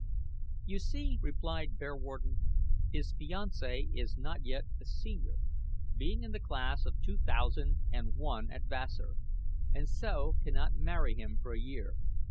"You see," replied Bearwarden, "his fiancee is not yet a senior, being in the class of two thousand and one at Vassar, and so cannot marry him for a year.